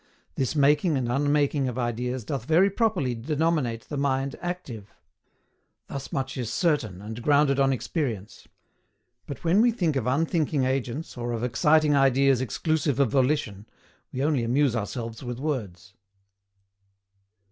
This making and unmaking of ideas doth very properly denominate the mind active. Thus much is certain and grounded on experience; but when we think of unthinking agents or of exciting ideas exclusive of volition, we only amuse ourselves with words.